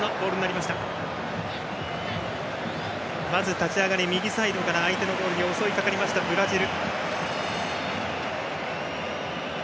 まず立ち上がり右サイドから相手のゴールに襲い掛かりましたブラジル。